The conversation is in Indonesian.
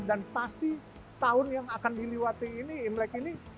dan pasti tahun yang akan diliwati ini imlek ini